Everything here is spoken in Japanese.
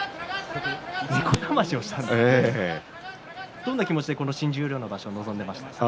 どんな気持ちで新十両の場所臨みましたか？